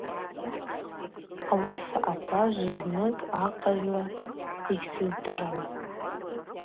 Ауаса атажв зныкӏ ахъазла – Йгьсыздырам.